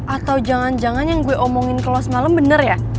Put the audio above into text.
atau jangan jangan yang gue omongin ke lo semalam bener ya